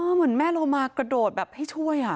เหมือนแม่เรามากระโดดแบบให้ช่วย